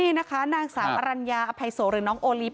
นี่นะคะนางสาวอรัญญาอภัยโสหรือน้องโอลิฟต